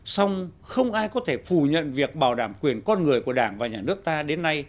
xong không ai có thể phủ nhận việc bảo đảm quyền con người của đảng và nhà nước ta đến nay